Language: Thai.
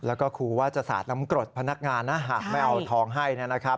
แล้วก็ครูว่าจะสาดน้ำกรดพนักงานนะหากไม่เอาทองให้นะครับ